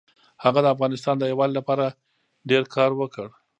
هغه د افغانستان د یووالي لپاره ډېر کار وکړ.